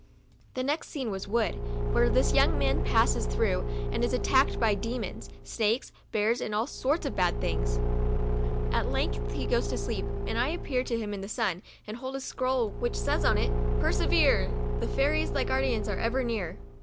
The next scene was a wood, where this young man passes through, and is attacked by demons, snakes, bears, and all sorts of bad things. At length he goes to sleep, and I appear to him in a sun, and hold a scroll, which COUNTRY DOLL. 61 says on it, " Persevere ! the fairies, thy guardians, are ever near."